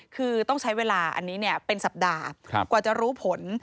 คือต้องใช้เวลาอันนี้เป็นสัปดาห์กว่าจะรู้ผล